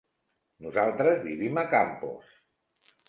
Nosaltres vivim a Campos.